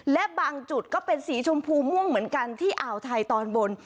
และบางจุดก็เป็นสีชมพูม่วงเหมือนกันที่อ่าวไทยตอนบน